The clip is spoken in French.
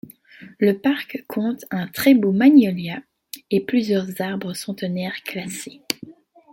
Le parc compte un très beau magnolia, et plusieurs arbres centenaires classés.